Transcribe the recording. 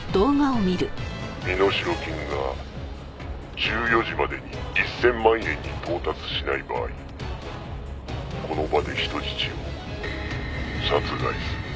「身代金が１４時までに１０００万円に到達しない場合この場で人質を殺害する」